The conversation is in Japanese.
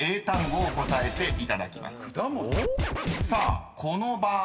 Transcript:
［さあこの場合］